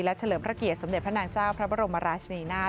เฉลิมพระเกียรติสมเด็จพระนางเจ้าพระบรมราชนีนาฏ